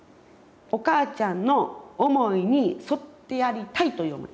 お母ちゃんの思いに沿ってやりたいという思い。